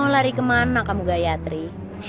mau lari kemana kamu gayatri